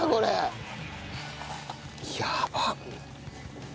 やばっ。